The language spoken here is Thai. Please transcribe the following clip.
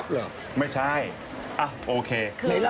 ทำไมจะเสียก๊อบเหรอ